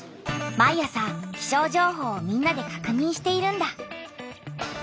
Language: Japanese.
毎朝気象情報をみんなでかくにんしているんだ。